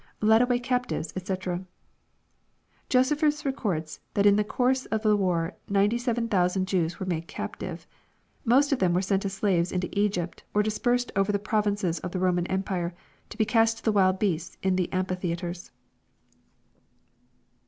[Led away captives^ die] Josephus records that in the course of the war ninety seven thousand Jews were made captives. Most of them were sent as slaves into Egypt, or dispersed over the prov inces of the Roman empire, to be cast to the wild beasts in the amphitheatres.